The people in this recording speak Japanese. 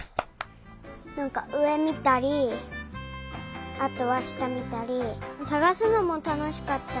なんかうえみたりあとはしたみたりさがすのもたのしかった。